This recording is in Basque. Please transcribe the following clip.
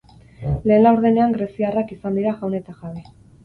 Lehen laurdenean greziarrak izan dira jaun eta jabe.